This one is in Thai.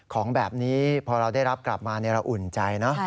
ของแบบนี้พอเราได้รับกลับมาเราอุ่นใจเนอะ